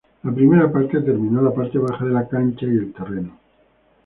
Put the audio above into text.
La primera parte terminó la parte baja de la cancha y el terreno.